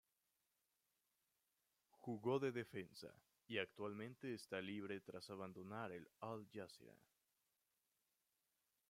Jugó de defensa y actualmente está libre tras abandonar el Al-Jazira.